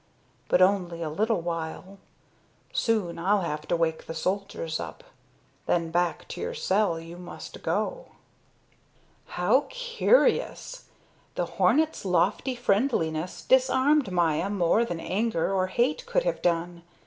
But only a little while. Soon I'll have to wake the soldiers up; then, back to your cell you must go." How curious! The hornet's lofty friendliness disarmed Maya more than anger or hate could have done.